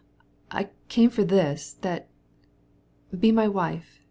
I came for this ... to be my wife!"